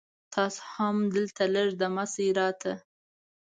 تاسو هم دلته لږ دمه شي را ته